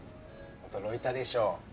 驚いたでしょう？